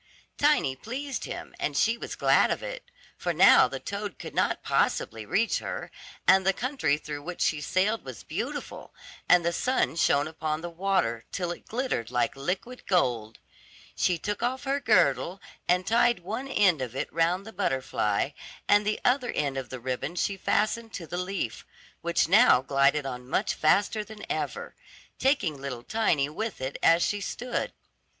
Tiny pleased him, and she was glad of it, for now the toad could not possibly reach her, and the country through which she sailed was beautiful, and the sun shone upon the water, till it glittered like liquid gold. She took off her girdle and tied one end of it round the butterfly, and the other end of the ribbon she fastened to the leaf, which now glided on much faster than ever, taking little Tiny with it as she stood.